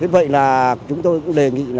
vậy là chúng tôi cũng đề nghị